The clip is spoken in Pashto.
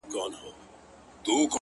o تا ولي په مسکا کي قهر وخندوئ اور ته؛